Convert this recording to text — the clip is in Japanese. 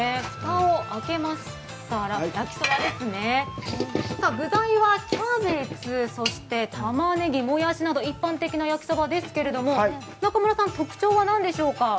蓋を開けましたら焼きそばですね、具材はキャベツ、たまねぎもやしなど一般的なやきそばですけれども中村さん、特徴は何でしょうか？